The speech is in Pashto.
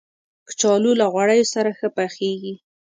کچالو له غوړیو سره ښه پخیږي